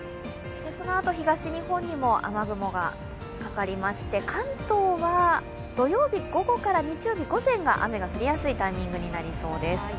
そのあと、東日本にも雨雲がかかりまして、関東は土曜日午後から日曜日午前が雨が降りやすいタイミングになりそうです。